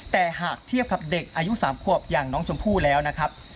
แต่หากเทียบกับเด็กอายุ๓ขวบอย่างน้องชมพู่แล้วนะครับ